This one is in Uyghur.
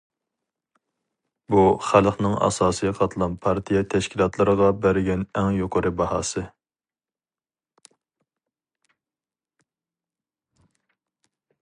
بۇ خەلقنىڭ ئاساسىي قاتلام پارتىيە تەشكىلاتلىرىغا بەرگەن ئەڭ يۇقىرى باھاسى.